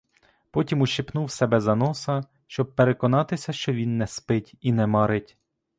Потім ущипнув себе за носа, щоб переконатися, що він не спить і не марить.